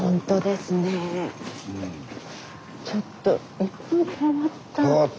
ちょっと一風変わった。